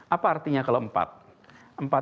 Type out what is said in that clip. apa artinya kalau empat